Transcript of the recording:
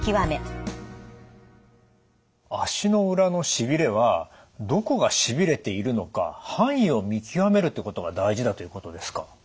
足の裏のしびれはどこがしびれているのか範囲を見極めるってことが大事だということですか？